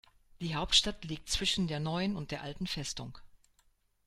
Die Hauptstadt liegt zwischen der neuen und der alten Festung.